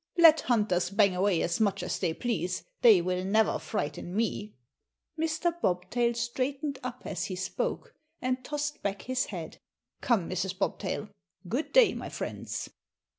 Let hunters bang away as much as they please, they will never frighten me." Mr. Bobtail straightened up as he spoke, and tossed back his head. "Come, Mrs. Bobtail. Good day, my friends."